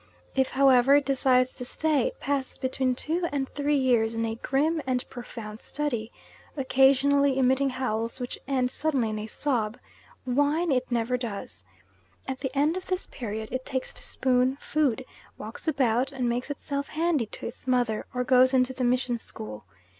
If, however, it decides to stay, it passes between two and three years in a grim and profound study occasionally emitting howls which end suddenly in a sob whine it never does. At the end of this period it takes to spoon food, walks about and makes itself handy to its mother or goes into the mission school.